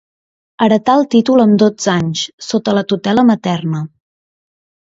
Heretà el títol amb dotze anys, sota la tutela materna.